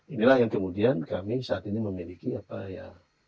inilah yang kemudian kami saat ini memiliki apa ya